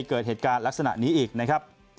เกิดเหตุการณ์ลักษณะนี้อีกนะครับ